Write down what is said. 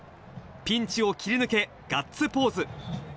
ピンチを切り抜け、ガッツポーズ。